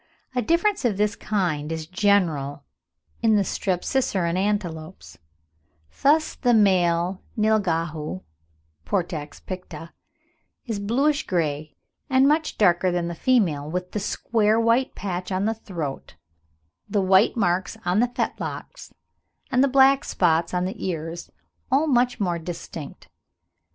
A difference of this kind is general in the Strepsicerene antelopes; thus the male nilghau (Portax picta) is bluish grey and much darker than the female, with the square white patch on the throat, the white marks on the fetlocks, and the black spots on the ears all much more distinct.